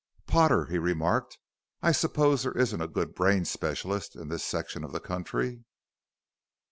"Potter," he remarked, "I suppose there isn't a good brain specialist in this section of the country?"